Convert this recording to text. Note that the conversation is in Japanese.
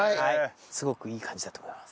すごくいい感じだと思います。